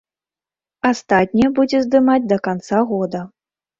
Астатнія будзе здымаць да канца года.